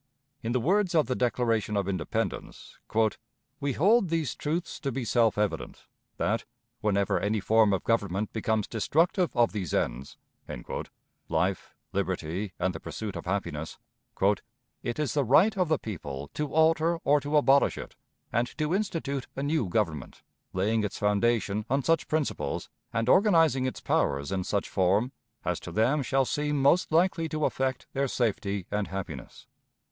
In the words of the Declaration of Independence: "We hold these truths to be self evident, that, whenever any form of government becomes destructive of these ends" (life, liberty, and the pursuit of happiness), "it is the right of the people to alter or to abolish it, and to institute a new government, laying its foundation on such principles, and organizing its powers in such form, as to them shall seem most likely to effect their safety and happiness.